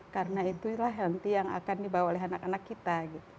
karena itulah yang akan dibawa oleh anak anak kita